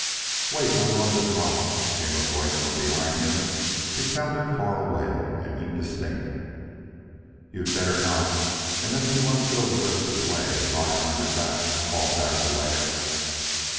"Wait, I I I'm going to drop," came a voice from behind him. It sounded far away and indistinct. "You'd better not unless you want to go the rest of the way lying on your back," called back the lad.